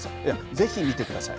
ぜひ見てください。